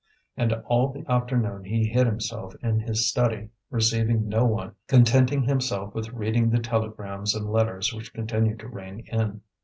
And all the afternoon he hid himself in his study, receiving no one, contenting himself with reading the telegrams and letters which continued to rain in.